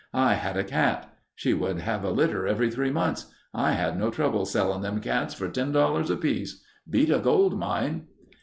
I had a cat. She would have a litter every three months. I had no trouble selling them cats for ten dollars apiece. Beat a gold mine.